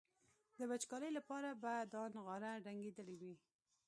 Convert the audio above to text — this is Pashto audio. د وچکالۍ لپاره به دا نغاره ډنګېدلي وي.